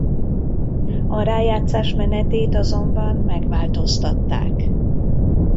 A rájátszás menetét azonban megváltoztatták.